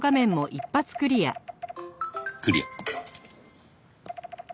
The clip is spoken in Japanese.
クリア。